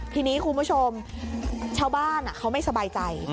ทีนี้คุณผู้ชมชาวบ้านเขาไม่สบายใจ